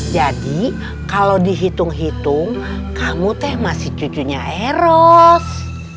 jadi kalau dihitung hitung kamu teh masih cucunya eros